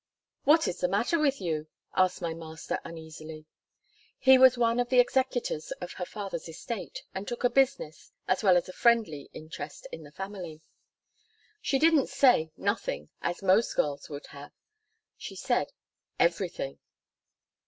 "What is the matter with you?" asked my master uneasily. He was one of the executors of her father's estate, and took a business, as well as a friendly interest in the family. She didn't say "Nothing," as most girls would have. She said, "Everything."